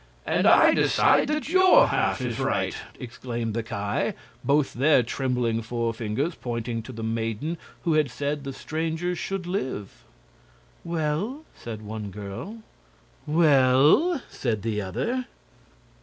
"And I decide that your half is right," exclaimed the Ki, both their trembling forefingers pointing to the maiden who had said the strangers should live. "Well?" said one girl. "Well?" said the other.